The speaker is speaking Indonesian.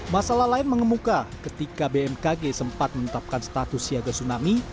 masalah lain mengemuka ketika bmkg sempat menetapkan status siaga tsunami